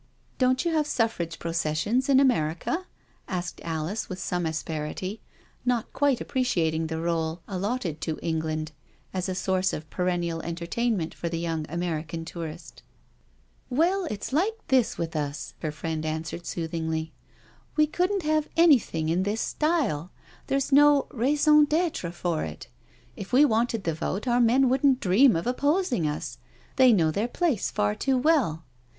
" Don't you have Suffrage processions in America?" asked Alice^ with some asperity, not quite appreciating THE PASSING OF THE WOMEN 315 the r61e allotted to England as a source of perennial entertainment for the young American tourist. *' Well, it's like this with us/' her friend answered soothingly. " We couldn't have anything in this style, there's no rdson dCttre for it. If we wanted the vote our men wouldn't dream of opposing us — they know their place far too well.